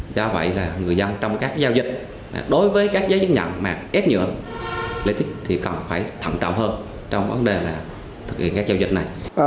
do vậy là người dân trong các giao dịch đối với các giấy nhận mà ép nhựa lý tích thì cần phải thẩm trọng hơn trong vấn đề là thực hiện các giao dịch này